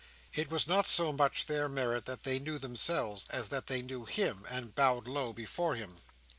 It was not so much their merit that they knew themselves, as that they knew him, and bowed low before him.